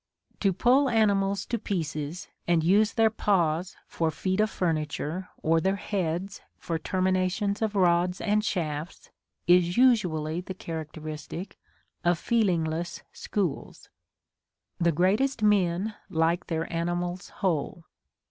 To pull animals to pieces, and use their paws for feet of furniture, or their heads for terminations of rods and shafts, is usually the characteristic of feelingless schools; the greatest men like their animals whole.